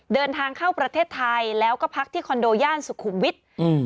เดินทางเข้าประเทศไทยแล้วก็พักที่คอนโดย่านสุขุมวิทย์อืม